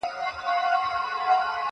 چي د مور خبره ومني او غلی پاته سي-